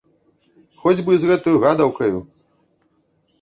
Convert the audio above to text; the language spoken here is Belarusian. Хоць бы і з гэтаю гадаўкаю!